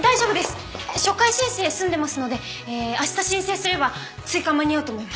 初回申請済んでますのでえあした申請すれば追加間に合うと思います。